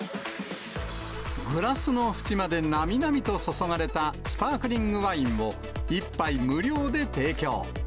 グラスの縁までなみなみと注がれたスパークリングワインを、１杯無料で提供。